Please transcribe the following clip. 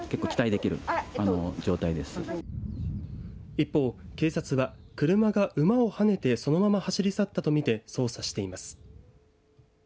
一方、警察は車が馬をはねてそのまま走り去ったと見て捜査しています。